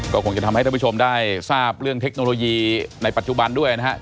ก็คงจะทำให้ท่านผู้ชมได้ทราบเรื่องเทคโนโลยีในปัจจุบันด้วยนะครับ